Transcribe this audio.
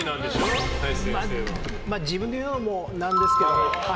自分で言うのもなんですけど。